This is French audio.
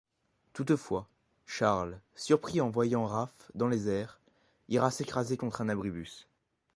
Toutefois, Charles, surpris en voyant Raph dans les airs, ira s'écraser contre un abribus.